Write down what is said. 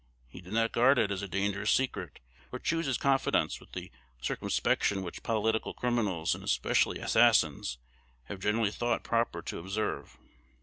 He did not guard it as a dangerous secret, or choose his confidants with the circumspection which political criminals, and especially assassins, have generally thought proper to observe.